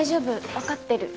わかってる。